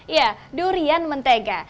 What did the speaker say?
ya durian mentega